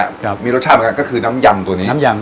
ครับมีรสชาติเหมือนกันก็คือน้ำยำตัวนี้น้ำยำ